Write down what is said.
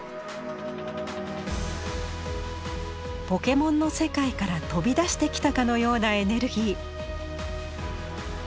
ポケモンの世界から飛び出してきたかのようなエネルギー。